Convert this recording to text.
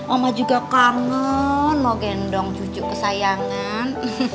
oma juga kangen mau gendong cucu kesayangan